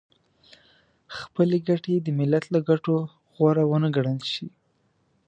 خپلې ګټې د ملت له ګټو غوره ونه ګڼل شي .